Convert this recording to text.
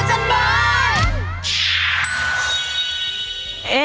แม่บ้านพระจันทร์บ้าน